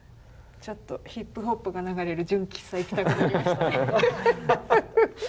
ちょっとヒップホップが流れる純喫茶行きたくなりましたね。